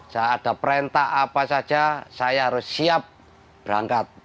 saya ada perintah apa saja saya harus siap berangkat